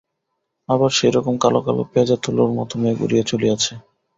আবার সেই রকম কালো কালো পেঁজা তুলোর মতো মেঘ উড়িয়া চলিয়াছে।